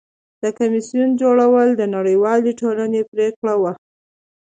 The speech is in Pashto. د کمیسیون جوړول د نړیوالې ټولنې پریکړه وه.